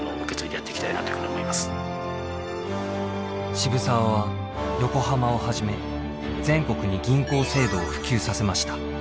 渋沢は横浜をはじめ全国に銀行制度を普及させました。